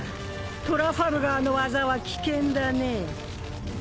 トラファルガーの技は危険だねえ。